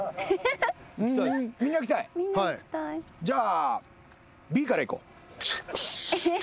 じゃあＢからいこう。